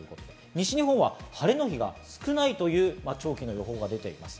西日本は晴れの日が少ないという長期の予報が出ています。